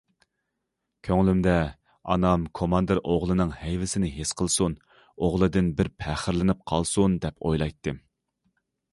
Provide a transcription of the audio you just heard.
كۆڭلۈمدە ئانام كوماندىر ئوغلىنىڭ ھەيۋىسىنى ھېس قىلسۇن، ئوغلىدىن بىر پەخىرلىنىپ قالسۇن، دەپ ئويلايتتىم.